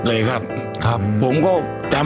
ผมจะมีรูปภาพของพระพิสุนุกรรม